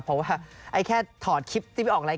เพราะว่าแค่ถอดคลิปที่ไม่ออกอะไร